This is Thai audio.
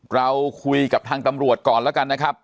เราคุยกับทางตำรวจก่อนแล้วกันนะครับ